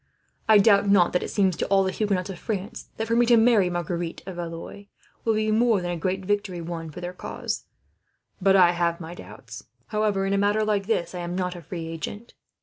I doubt not that it seems, to all the Huguenots of France, that for me to marry Marguerite of Valois would be more than a great victory won for their cause; but I have my doubts. However, in a matter like this I am not a free agent.